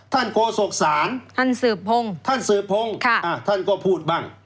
ท่านโคศกศาลท่านสืบพงษ์ท่านสืบพงษ์ค่ะอ่าท่านก็พูดบ้าง